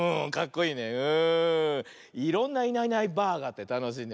いろんな「いないいないばあ！」があってたのしいね。